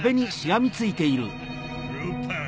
ルパン！